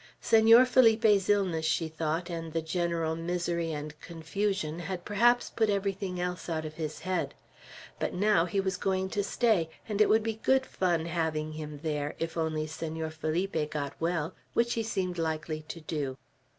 Senor Felipe's illness, she thought, and the general misery and confusion, had perhaps put everything else out of his head; but now he was going to stay, and it would be good fun having him there, if only Senor Felipe got well, which he seemed likely to do.